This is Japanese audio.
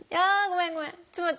ごめんごめん。